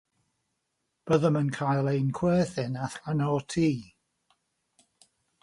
Byddem yn cael ein chwerthin allan o'r tŷ.